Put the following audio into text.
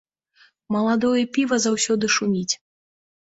Маладое піва заўсёды шуміць.